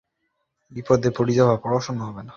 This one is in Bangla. আমার শরীর কখনও ভাল, কখনও মন্দ।